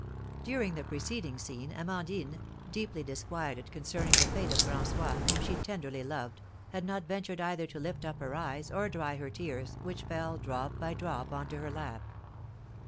During the preceding scene, Amandine, deeply disquieted concerning the fate of François, whom she tenderly loved, had not ventured either to lift up her eyes, or dry her tears, which fell, drop by drop, on to her lap.